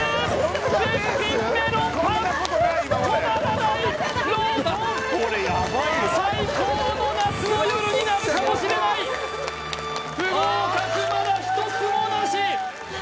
絶品メロンパン止まらないローソン最高の夏の夜になるかもしれないお見事です！